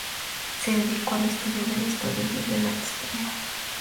Se dedicó al estudio de la historia y del arte español.